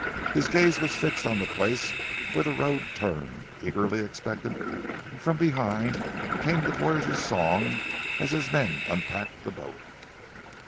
His gaze was fixed on the place where the road turned, eagerly expectant, and from behind came the voyageurs' song as his men unpacked the boat.